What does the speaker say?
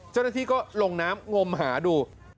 เจ้าหน้าที่ก็ลงน้ำงมหาดู